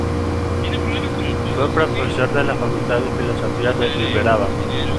Fue profesor de la Facultad de Filosofía de Uberaba.